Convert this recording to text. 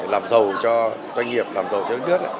làm giàu cho doanh nghiệp làm giàu cho đất nước